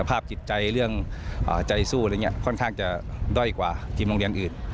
อาจจะด้อยกว่าทีมโรงเรียนอื่น